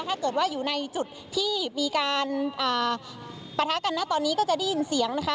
ถ้าเกิดว่าอยู่ในจุดที่มีการปะทะกันนะตอนนี้ก็จะได้ยินเสียงนะคะ